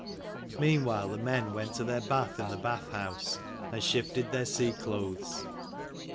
Meanwhile the men went to their bath in the bath house, and shifted their sea clothes.